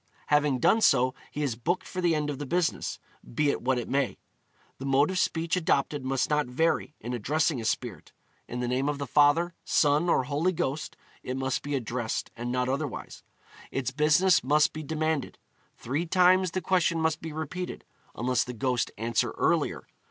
Having done so, he is booked for the end of the business, be it what it may. The mode of speech adopted must not vary, in addressing a spirit; in the name of the Father, Son, or Holy Ghost it must be addressed, and not otherwise. Its business must be demanded; three times the question must be repeated, unless the ghost answer earlier.